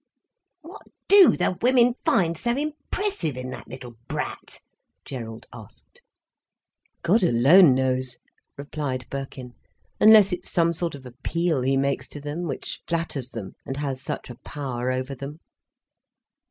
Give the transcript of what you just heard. "What do the women find so impressive in that little brat?" Gerald asked. "God alone knows," replied Birkin, "unless it's some sort of appeal he makes to them, which flatters them and has such a power over them."